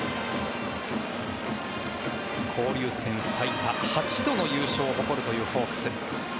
交流戦最多８度の優勝を誇るというホークス。